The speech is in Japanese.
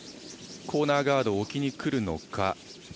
コーナーガードを置きにくるのか。